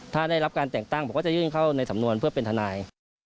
ถ้าได้รับการแต่งตั้งบอกว่าจะยื่นเข้าในสำนวนเพื่อเป็นทนาย